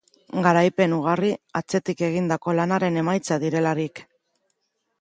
Garaipen ugari, atzetik egindako lanaren emaitza direlarik.